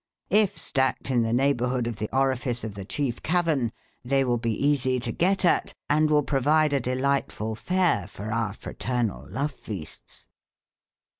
If stacked in the neighbourhood of the orifice of the chief cavern, they will be easy to get at and will provide a delightful fare for our fraternal love feasts."